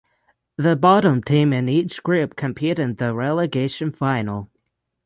The bottom team in each group compete in the relegation Final.